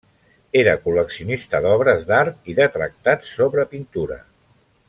Era col·leccionista d'obres d'art i de tractats sobre pintura.